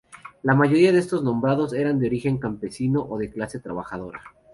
La mayoría de estos nombrados eran de origen campesino o de clase trabajadora.